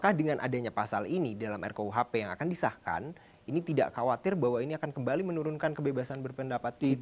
apakah dengan adanya pasal ini dalam rkuhp yang akan disahkan ini tidak khawatir bahwa ini akan kembali menurunkan kebebasan berpendapat